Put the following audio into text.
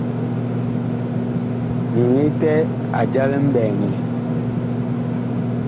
Ŋetɛ a jal mɓɛɛŋ lɛn.